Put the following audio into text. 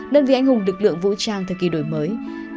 đơn vị anh hùng lực lượng vũ trang thời kỳ đổi mới